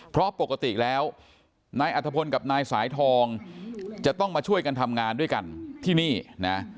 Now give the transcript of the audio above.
เพราะปกติแล้วนายอัธพลกับนายสายทองจะต้องมาช่วยกันทำงานด้วยกันที่นี่นะ